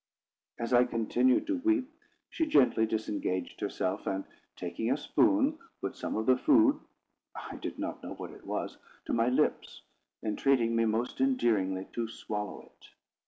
As I continued to weep, she gently disengaged herself, and, taking a spoon, put some of the food (I did not know what it was) to my lips, entreating me most endearingly to swallow it.